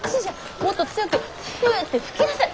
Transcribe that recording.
もっと強くふって吹きなさい。